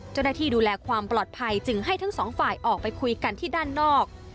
เจ้าหน้าที่ดูแลความปลอดภัยจึงให้ทั้งสองฝ่ายออกไปคุยกันที่ด้านนอก